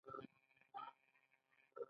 زړه تر ټولو پیاوړې پمپ دی.